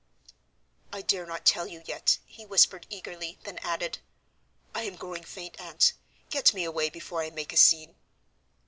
"I dare not tell you yet," he whispered eagerly, then added, "I am growing faint, Aunt. Get me away before I make a scene."